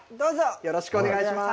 よろしくお願いします。